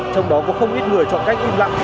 trong đó có không ít người chọn cách im lặng